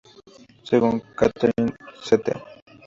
Según Katherine St.